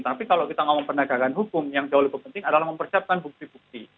tapi kalau kita ngomong penegakan hukum yang jauh lebih penting adalah mempersiapkan bukti bukti